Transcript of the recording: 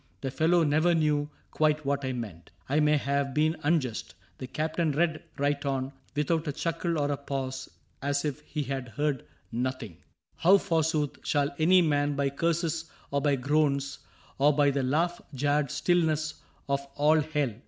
The fellow never knew quite what I meant. I may have been unjust. — The Captain read Right on, without a chuckle or a pause. As if he had heard nothing : 66 CAPTAIN CRAIG " How, forsoothy Shall any man, by curses or by groans. Or by the laugh jarred stillness of all hell.